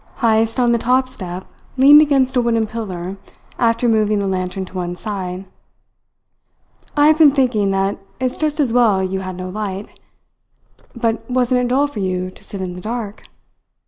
Heyst, on the top step, leaned against a wooden pillar, after moving the lantern to one side. "I have been thinking that it is just as well you had no light. But wasn't it dull for you to sit in the dark?"